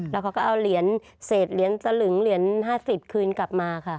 แล้วเขาก็เอาเหรียญเศษเหรียญสลึงเหรียญ๕๐คืนกลับมาค่ะ